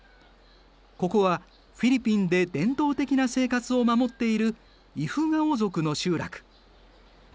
ここはフィリピンで伝統的な生活を守っているイフガオ族の集落。